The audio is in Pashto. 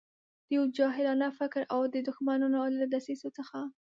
دا یو جاهلانه فکر او د دښمنانو له دسیسو څخه.